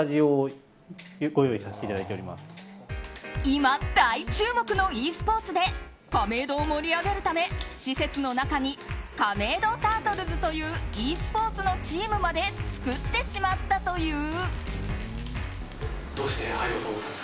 今、大注目のｅスポーツで亀戸を盛り上げるため施設の中にカメイドタートルズというｅスポーツのチームまで作ってしまったという。